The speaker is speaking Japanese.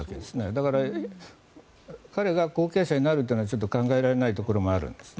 だから彼が後継者になるというのは考えられないのはあると思うんです。